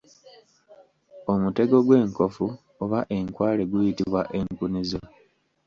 Omutego gwenkofu oba enkwale guyitibwa Enkunizo.